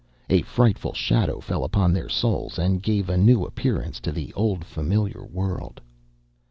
A frightful shadow fell upon their souls, and gave a new appearance to the old familiar world.